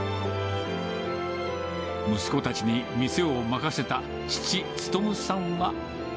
息子たちに店を任せた父、力さんは。